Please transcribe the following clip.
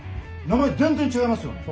名前全然違いますよね。